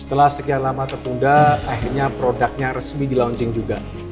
setelah sekian lama tertunda akhirnya produknya resmi di launching juga